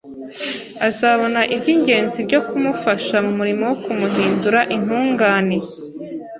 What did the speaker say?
azabona iby’ingenzi byo kumufasha mu murimo wo kumuhindura intungane